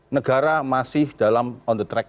negara masih dalam on the track